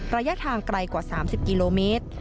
ระยะทางไกลกว่า๓๐กิโลเมตร